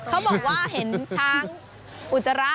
เขาบอกว่าเห็นช้างอุจจาระ